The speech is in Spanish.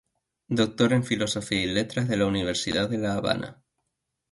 Doctor en Filosofía y Letras de la Universidad de La Habana.